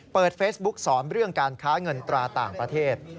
เปิดเฟซบุ๊กสอนเรื่องการค้าเงินตราต่างประเทศ